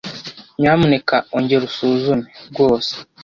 "Nyamuneka ongera usuzume." "Rwose."